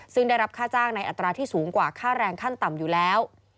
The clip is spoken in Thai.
ซึ่งได้รับค่าจ้างในอัตราที่สูงกว่าค่าแรงขั้นต่ำอยู่แล้ว